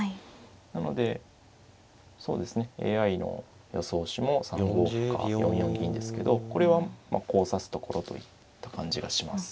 なのでＡＩの予想手も３五歩か４四銀ですけどこれはまあこう指すところといった感じがします。